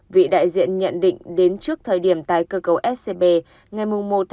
vị đại diện nhận định đến trước thời điểm tái cơ cấu scb ngày một một hai nghìn một mươi hai